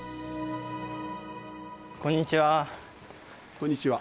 こんにちは。